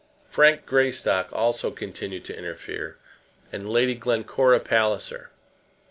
Frank Greystock also continued to interfere, and Lady Glencora Palliser.